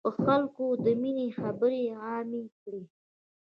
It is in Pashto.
په خلکو د ميني خبري عامي کړی.